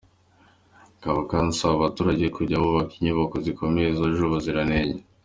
Akaba kandi asaba abaturage kujya bubaka inyubako zikomeye zujuje ubuziranenge.